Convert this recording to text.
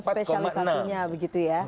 spesialisasinya begitu ya